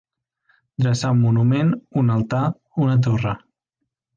Dreçar un monument, un altar, una torre.